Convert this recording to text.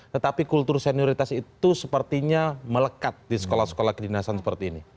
tetapi kultur senioritas itu sepertinya melekat di sekolah sekolah kedinasan seperti ini